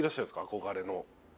憧れの。